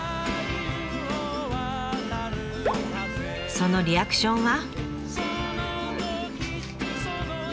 そのリアクションは。